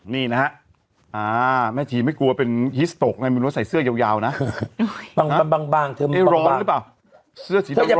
นี่นะฮะแม่ชีไม่กลัวเป็นฮิสตกไงไม่รู้ใส่เสื้อยาวนะบางเธอไม่ได้ร้อนหรือเปล่า